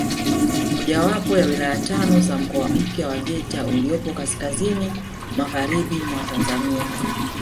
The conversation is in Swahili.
Mojawapo ya wilaya tano za mkoa mpya wa Geita uliopo kaskazini magharibi mwa Tanzania